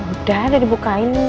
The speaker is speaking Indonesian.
udah udah dibukain nih